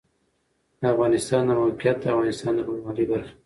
د افغانستان د موقعیت د افغانستان د بڼوالۍ برخه ده.